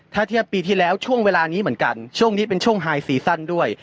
ถ้าเทียบปีที่แล้วช่วงเวลานี้เหมือนกันช่วงนี้เป็นช่วงไฮซีซั่นด้วย